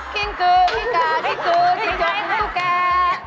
กิ้งกืกิ้กาขี้กืจีบน้ำขึ้นรูปแก่